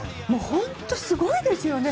本当すごいですよね。